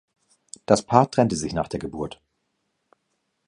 Das Paar trennte sich nach der Geburt.